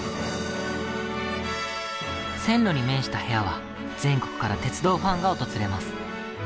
線路に面した部屋は全国から鉄道ファンが訪れます。